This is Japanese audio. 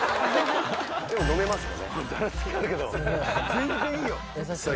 全然いいよ